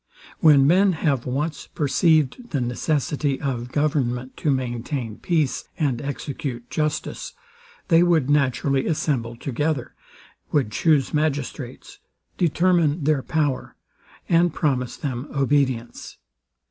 When men have once perceived the necessity of government to maintain peace, and execute justice, they would naturally assemble together, would chuse magistrates, determine power, and promise them obedience.